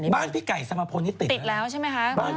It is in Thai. บ้านพี่ไก่สมาพลนี้ติดแล้ว